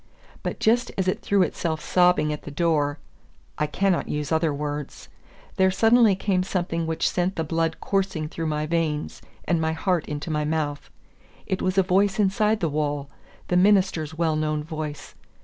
But just as it threw itself sobbing at the door (I cannot use other words), there suddenly came something which sent the blood coursing through my veins, and my heart into my mouth. It was a voice inside the wall, the minister's well known voice.